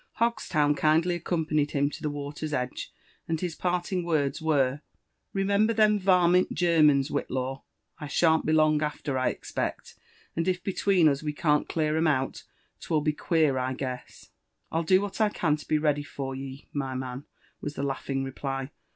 Hogstown kindly accompanied him to the water's edge; and his parting words were, *' Remember them varmmt Germans, WfaitUw. I shan't be long alter, I expect : and if between us we can't dear 'era out, 'twill be queer, I guess." " I'll do what I can to be ready for ye, my man," was the laugh ing reply.